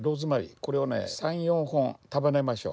これをね３４本束ねましょう。